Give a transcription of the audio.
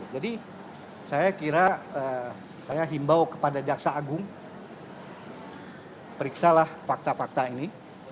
jadi saya kira saya himbau kepada jaksa agung periksalah fakta fakta ini